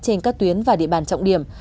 trên các tuyến và địa bàn trọng điểm